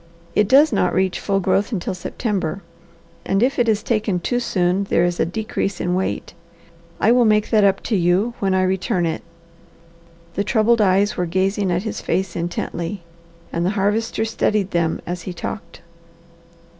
It does not reach full growth until September, and if it is taken too soon there is a decrease in weight. I will make that up to you when I return it." The troubled eyes were gazing on his face intently, and the Harvester studied them as he talked.